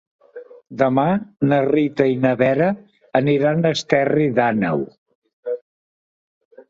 Demà na Rita i na Vera aniran a Esterri d'Àneu.